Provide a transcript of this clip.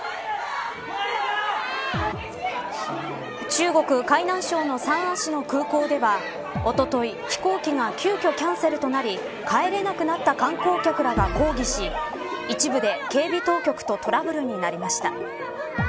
中国、海南省の三亜市の空港ではおととい、飛行機が急きょキャンセルとなり帰れなくなった観光客らが抗議し一部で、警備当局とトラブルになりました。